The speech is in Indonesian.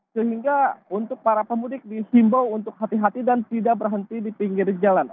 sehingga untuk para pemudik dihimbau untuk hati hati dan tidak berhenti di pinggir jalan